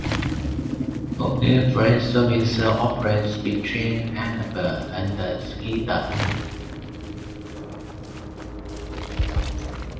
Only freight service operates between Annaba and Skikda.